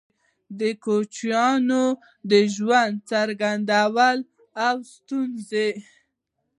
د کوچيانو د ژوند څرنګوالی او ستونزي